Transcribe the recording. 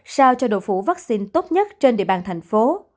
sao cho độ phủ vaccine tốt nhất trên địa bàn thành phố